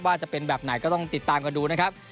จะเป็นแบบไหนก็ต้องติดตามกันดูนะครับ